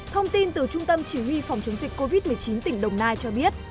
thông tin từ trung tâm chỉ huy phòng chống dịch covid một mươi chín tỉnh đồng nai cho biết